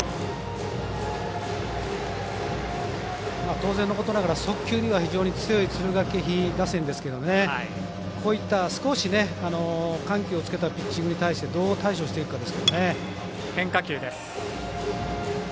当然のことながら速球には非常に強い敦賀気比打線ですけどこういった少し緩急をつけたピッチングに対してどう対処していくかですね。